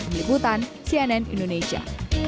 melibutan cnn indonesia